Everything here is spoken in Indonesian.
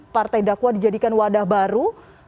partai dakwa dijadikan wadah baru